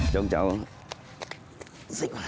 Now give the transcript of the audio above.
cháu học của lớp sáu